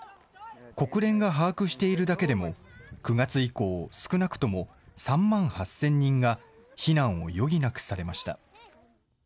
国連が把握しているだけでも、９月以降、少なくとも３万８０００人が、避難を余儀なくされました。